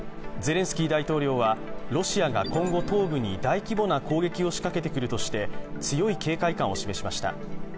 ゼレンスキー大統領はロシアが今後東部に大規模な攻撃を仕掛けてくるとして強い警戒感を示しました。